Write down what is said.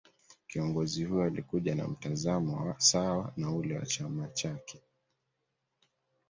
Kiongozi huyo Alikuja na mtazamo sawa na ule wa chama chake